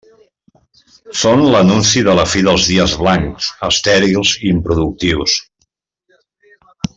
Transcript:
Són l'anunci de la fi dels dies blancs, estèrils i improductius.